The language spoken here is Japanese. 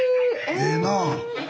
ええなあ。